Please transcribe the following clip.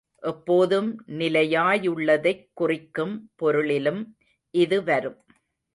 எப்போதும் நிலையாயுள்ளதைக் குறிக்கும் பொருளிலும் இது வரும்.